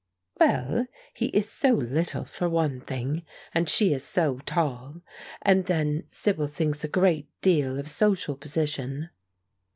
"Well, he is so little, for one thing, and she is so tall. And then Sibyl thinks a great deal of social position."